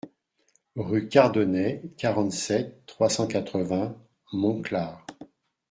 Rue Cardonet, quarante-sept, trois cent quatre-vingts Monclar